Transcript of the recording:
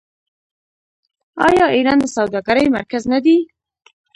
آیا ایران د سوداګرۍ مرکز نه دی؟